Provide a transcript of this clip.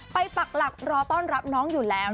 ปักหลักรอต้อนรับน้องอยู่แล้ว